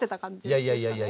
いやいやいやいや。